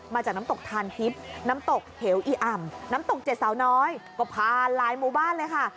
มาจากน้ำตกทานทิพย์น้ำตกเหวอีอ่ำน้ำตกเจ็ดสาวน้อยก็ผ่านหลายหมู่บ้านเลยค่ะ